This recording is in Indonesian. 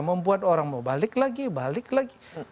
membuat orang mau balik lagi balik lagi